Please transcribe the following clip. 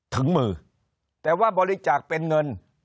ถึงมือแต่ว่าบริจาคเป็นเงิน